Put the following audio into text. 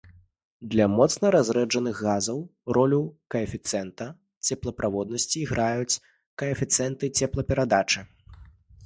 Для моцна разрэджаных газаў ролю каэфіцыента цеплаправоднасці іграюць каэфіцыенты цеплаперадачы.